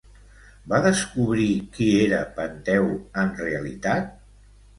Va descobrir qui era Penteu, en realitat?